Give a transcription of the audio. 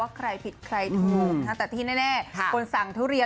ใครผิดใครถูกแต่ที่แน่คนสั่งทุเรียน